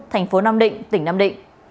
thành phố nam định tỉnh nam định